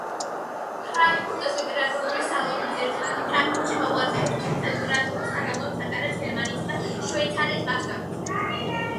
ფრანკფურტის ლიტერატურული სალონი ძირითადად ფრანკფურტში მოღვაწეობს, თუმცა ლიტერატურულ საღამოებს ატარებს გერმანიისა და შვეიცარიის მასშტაბით.